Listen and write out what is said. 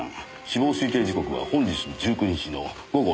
死亡推定時刻は本日１９日の午後６時です。